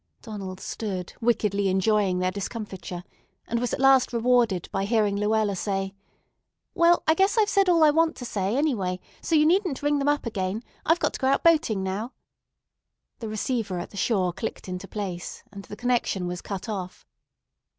Donald stood wickedly enjoying their discomfiture, and was at last rewarded by hearing Luella say: "Well, I guess I've said all I want to say, anyway; so you needn't ring them up again. I've got to go out boating now." The receiver at the shore clicked into place, and the connection was cut off.